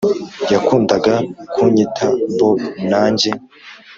yakundaga kunyita bob na njye